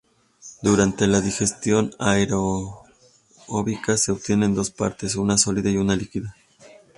Durante la digestión anaeróbica se obtienen dos partes: una sólida y una líquida.